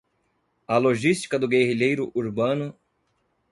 A Logística do Guerrilheiro Urbano